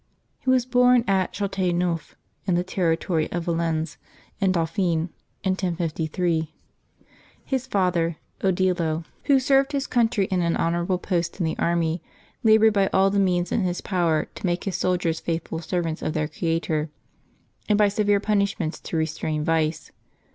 He was born at Chateau neuf, in the territory of Valence in Dauphine, in 1053. His father, Odilo, who served his 132 LIVES OF THE SAINTS [Apbil 1 country in an honorable post in the army, labored by all the means in his power to make his soldiers faithful ser vants of their Creator, and by severe punishments to re strain vice.